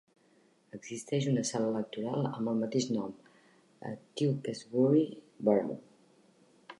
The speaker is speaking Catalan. Existeix una sala electoral amb el mateix nom a Tewkesbury Borough.